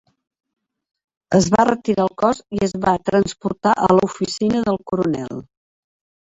Es va retirar el cos i es va transportar a l'oficina del coronel.